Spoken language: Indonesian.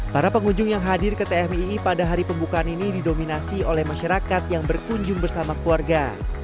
para pengunjung yang hadir ke tmii pada hari pembukaan ini didominasi oleh masyarakat yang berkunjung bersama keluarga